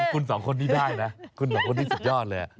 คุณสองคนนี้ได้นะคุณสองคนนี้สุดยอดเลย